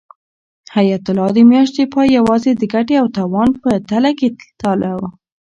حیات الله د میاشتې پای یوازې د ګټې او تاوان په تله کې تلاوه.